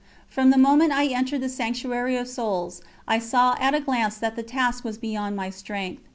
From the moment I entered the sanctuary of souls, I saw at a glance that the task was beyond my strength.